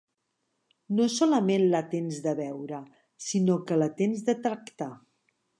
No solament la tens de veure, si no que la tens de tractar.